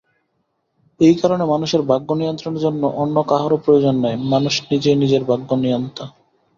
এই কারণে মানুষের ভাগ্য-নিয়ন্ত্রণের জন্য অন্য কাহারও প্রয়োজন নাই, মানুষ নিজেই নিজের ভাগ্যনিয়ন্তা।